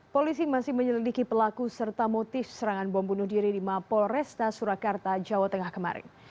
polisi masih menyelidiki pelaku serta motif serangan bom bunuh diri di mapol resta surakarta jawa tengah kemarin